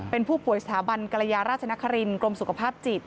เป็นผู้ป่วยสถาบันกรยาราชนครินกรมสุขภาพจิต